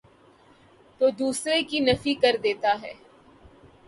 تودوسرے کی نفی کردیتا ہے۔